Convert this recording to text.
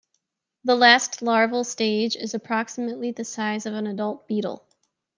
The last larval stage is approximately the size of an adult beetle.